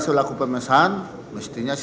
selaku pemesan mestinya